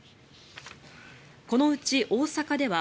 このうち大阪では